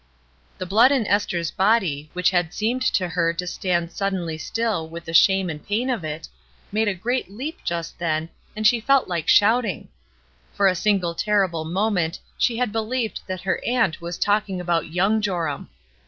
The blood in Esther's body, which had seemed to her to stand suddenly still with the shame and pam of it, made a great leap just then, and she felt like shouting. For a single terrible moment she had beUeved that her aunt was talking about young Joram.